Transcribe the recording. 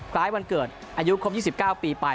คล้ายวันเกิดอายุครบ๒๙ปีไป